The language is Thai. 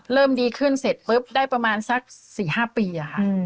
เริ่มดีขึ้นเสร็จปุ๊บได้ประมาณสัก๔๕ปีค่ะ